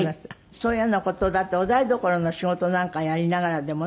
そういうような事だとお台所の仕事なんかやりながらでもね。